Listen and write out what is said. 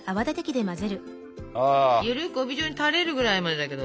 ゆるく帯状にたれるくらいまでだけど。